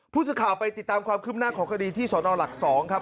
ผู้สื่อข่าวไปติดตามความคืบหน้าของคดีที่สนหลัก๒ครับ